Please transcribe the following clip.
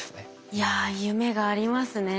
いや夢がありますね。